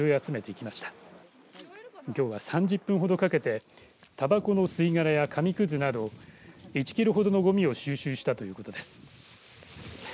きょうは３０分ほどかけてたばこの吸い殻や紙くずなど１キロほどのごみを収集したということです。